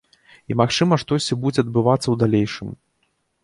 І магчыма штосьці будзе адбывацца ў далейшым.